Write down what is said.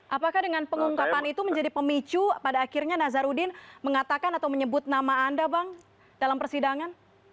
apakah dengan pengungkapan itu menjadi pemicu pada akhirnya nazarudin mengatakan atau menyebut nama anda bang dalam persidangan